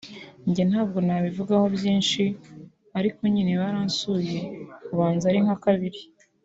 Njye ntabwo nabivugaho byinshi ariko nyine baransuye ubanza ari nka kabiri